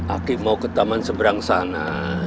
aki mau ke taman seberang sana